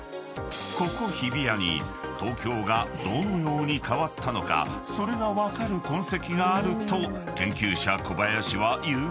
［ここ日比谷に東京がどのように変わったのかそれが分かる痕跡があると研究者小林は言うのだが］